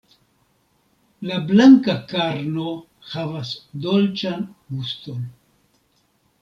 La blanka karno havas dolĉan guston.